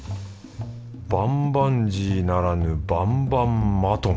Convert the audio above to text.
バンバンジーならぬバンバンマトン。